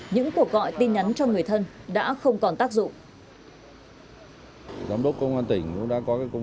những cuộc gọi tin nhắn cho người thân đã không còn tác dụng